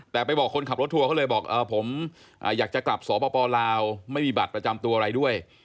แต่ไปบอกคนขับรถทัวร์เขาเลยบอกผมอยากจะกลับสปลาวไม่มีบัตรประจำตัวอะไรด้วย